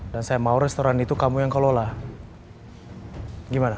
dan saya mau restoran itu kamu yang kelola gimana